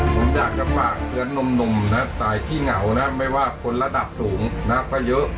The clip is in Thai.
ผมอยากจะฝากเพื่อนหนุ่มนะครับสายที่เหงานะครับไม่ว่าคนระดับสูงนะครับก็เยอะ